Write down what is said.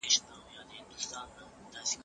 له خلکو وېرېدل د کمزورۍ نښه ده.